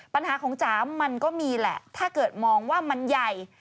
ปัญหาของจ๋ามันก็มีแหละถ้าเกิดมองว่ามันใหญ่